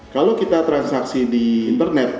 kalau kita transaksi di internet